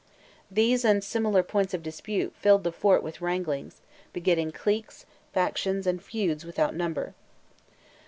These and similar points of dispute filled the fort with wranglings, begetting cliques, factions, and feuds without number.